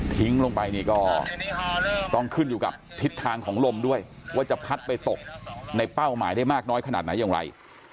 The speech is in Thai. ลงไปนี่ก็ต้องขึ้นอยู่กับทิศทางของลมด้วยว่าจะพัดไปตกในเป้าหมายได้มากน้อยขนาดไหนอย่างไร